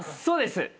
そうです。